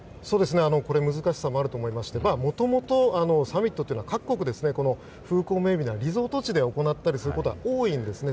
難しさもあると思いましてもともとサミットというのは各国、風光明媚なリゾート地で行ったりすることは多いんですね。